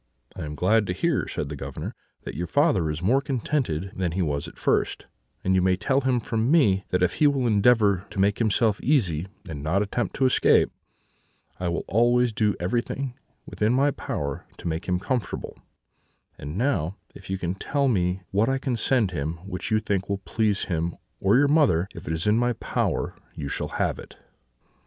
"'I am glad to hear,' said the Governor, 'that your father is more contented than he was at first; and you may tell him from me, that if he will endeavour to make himself easy, and not attempt to escape, I will always do everything in my power to make him comfortable; and now, if you can tell me what I can send him which you think will please him or your mother, if in my power you shall have it.'